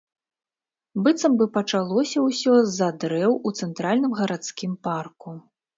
Быццам бы пачалося ўсё з-за дрэў у цэнтральным гарадскім парку.